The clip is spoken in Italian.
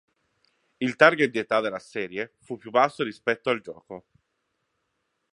Il target di età della serie fu più basso rispetto al gioco.